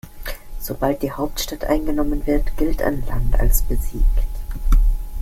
Sobald die Hauptstadt eingenommen wird, gilt ein Land als besiegt.